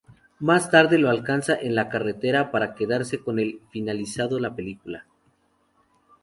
Más tarde lo alcanza en la carretera para quedarse con el finalizando la película.